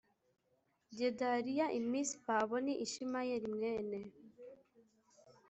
Gedaliya i Misipa Abo ni Ishimayeli mwene